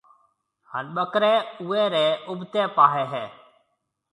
هانَ ٻڪري اوي ري اُوڀتي پاهيَ هيَ۔